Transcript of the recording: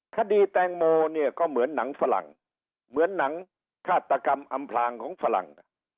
คดีแตงโมเนี่ยก็เหมือนหนังฝรั่งเหมือนหนังฆาตกรรมอำพลางของฝรั่ง